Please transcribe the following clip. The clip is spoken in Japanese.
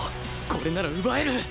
これなら奪える！